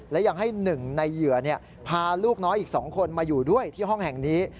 และยังให้หนึ่งในเหยื่อพาลูกน้อยอีก๒คนมาอยู่ด้วยที่ห้องแห่งนี้